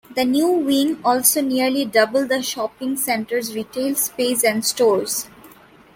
The new wing also nearly doubled the shopping center's retail space and stores.